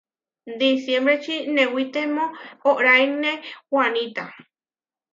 Disiembreči newitemó óʼraine wanita.